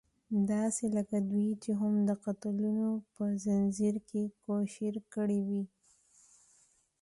داسې لکه دوی چې هم د قتلونو په ځنځير کې کوشير کړې وي.